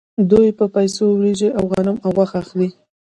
دوی په پیسو وریجې او غنم او غوښه اخلي